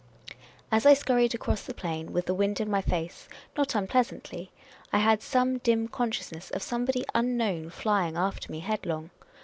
As I scurried across the plain, with the wind in my face, not unpleasantly, I had some dim consciousness of somebody unknown flying after me headlong.